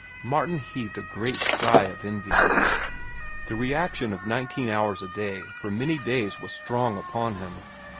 Martin heaved a great sigh of envy. The reaction of nineteen hours a day for many days was strong upon him.